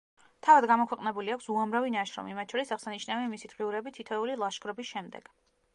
თავად გამოქვეყნებული აქვს უამრავი ნაშრომი, მათ შორის აღსანიშნავია მისი დღიურები თითოეული ლაშქრობის შემდეგ.